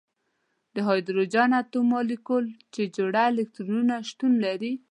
په هایدروجن اتوم مالیکول کې جوړه الکترونونه شتون لري.